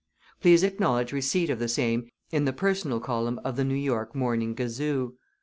Please acknowledge receipt of the same in the Personal Column of the New York Morning Gazoo.